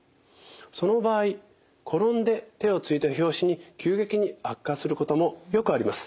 その場合転んで手をついた拍子に急激に悪化することもよくあります。